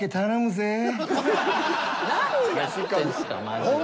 何やってんすかマジで。